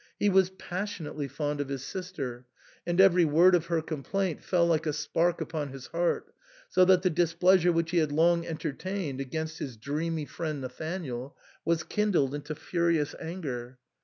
He was passionately fond of his sister ; and every word of her complaint fell like a spark upon his heart, so that the displeasure which he had long entertained against his dreamy friend Nathanael was kindled into furious anger.